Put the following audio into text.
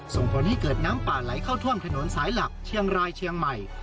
ส่งผลให้เกิดน้ำป่าไหลเข้าท่วมถนนสายหลักเชียงรายเชียงใหม่